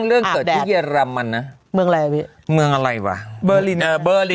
เรื่องเกิดที่เยอรมันนะเมืองอะไรวะเบอร์ลิน